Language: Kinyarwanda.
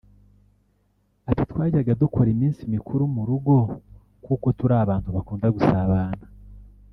Ati “Twajyaga dukora iminsi mikuru mu rugo kuko turi abantu bakunda gusabana